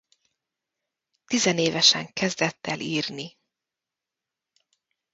Tizenévesen kezdett el írni.